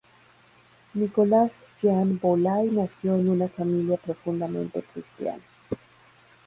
Nicolas-Jean Boulay nació en una familia profundamente cristiana.